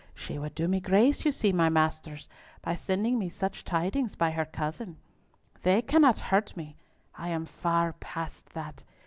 She would do me grace, you see, my masters, by sending me such tidings by her cousin. They cannot hurt me! I am far past that!